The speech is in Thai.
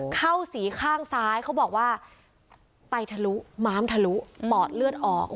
เข้าสีข้างซ้ายเขาบอกว่าไตทะลุม้ามทะลุปอดเลือดออก